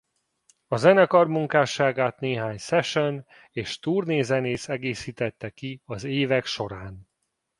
A zenekar munkásságát néhány session- és turné-zenész egészítette ki az évek során.